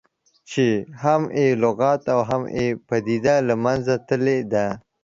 چې هم یې لغت او هم یې پدیده له منځه تللې ده.